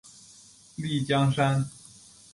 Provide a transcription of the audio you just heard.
丽江杉